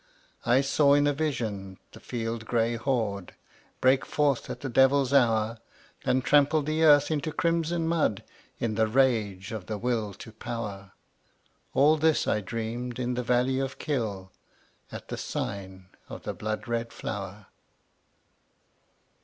I saw in a vision the field gray horde Break forth at the devil's hour, And trample the earth into crimson mud In the rage of the Will to Power, All this I dreamed in the valley of Kyll, At the sign of the blood red flower.